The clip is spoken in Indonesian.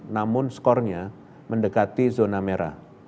namun skornya mendekati zona merah